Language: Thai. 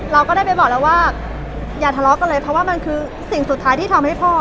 เราก็ได้ไปบอกแล้วว่าอย่าทะเลาะกันเลยเพราะว่ามันคือสิ่งสุดท้ายที่ทำให้พ่อ